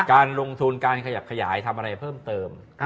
การลงทุนการขยับขยายทำอะไรเพิ่มเติม